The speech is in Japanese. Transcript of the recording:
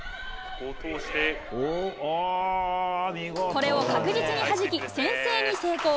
これを確実にはじき、先制に成功。